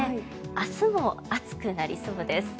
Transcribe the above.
明日も暑くなりそうです。